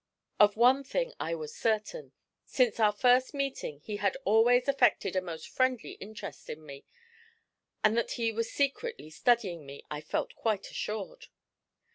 Of one thing I was certain. Since our first meeting he had always affected a most friendly interest in me; and that he was secretly studying me, I felt quite assured.